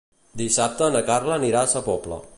Dissabte na Carla anirà a Sa Pobla.